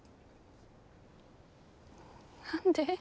何で。